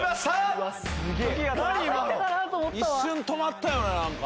一瞬止まったよねなんか。